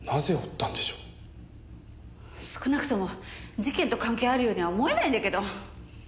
少なくとも事件と関係あるようには思えないんだけど。